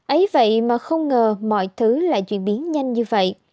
ấy vậy mà không ngờ mọi thứ lại chuyển biến nhanh như vậy